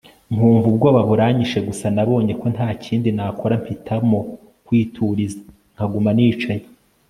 nkumva ubwoba buranyishe, gusa nabonye ko ntakindi nakora mpitamo kwituriza nkaguma nicaye